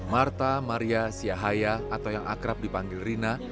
marta maria siahaya atau yang akrab dipanggil rina